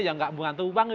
yang tidak membantu uang